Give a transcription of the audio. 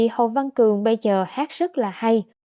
hồ văn cường bây giờ hát rất là hay